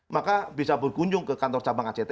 maka bisa berkunjung ke kantor cabang act